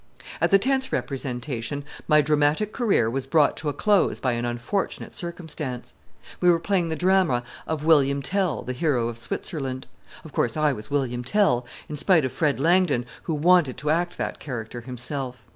At the tenth representation, my dramatic career was brought to a close by an unfortunate circumstance. We were playing the drama of "William Tell, the Hero of Switzerland." Of course I was William Tell, in spite of Fred Langdon, who wanted to act that character himself.